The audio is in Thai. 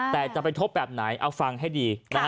แต่จะไปทบแบบไหนเอาฟังให้ดี